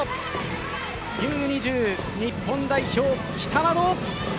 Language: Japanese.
Ｕ‐２０日本代表・北窓。